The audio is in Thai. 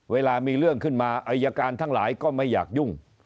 เวลามีเรื่องขึ้นมาอายการทั้งหลายก็ไม่อยากยุ่ง